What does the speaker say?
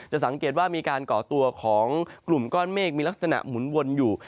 สังเกตว่ามีการก่อตัวของกลุ่มก้อนเมฆมีลักษณะหมุนวนอยู่